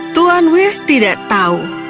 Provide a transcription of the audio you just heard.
tuan wis tidak tahu